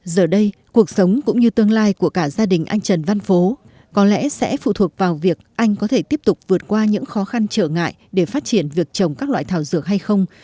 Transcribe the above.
giờ đây cuộc sống cũng như tương lai của cả gia đình anh trần văn phố có lẽ sẽ phụ thuộc vào việc anh có thể tiếp tục vượt qua những khó khăn trở ngại để phát triển việc trồng các loại thảo dược hay không